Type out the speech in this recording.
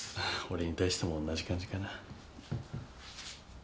俺に対しても同じ感じかな。